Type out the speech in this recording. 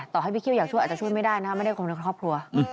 ต่อให้พี่เคี่ยวอยากช่วยอาจจะช่วยไม่ได้นะไม่ได้คนในครอบครัว